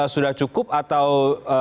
sudah cukup atau